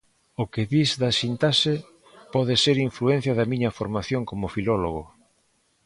O que dis da sintaxe pode ser influencia da miña formación como filólogo.